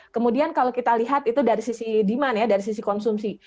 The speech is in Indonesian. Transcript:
kemudian kalau kita lihat itu dari sisi demand ya dari sisi konsumsi